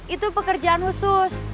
itu pekerjaan khusus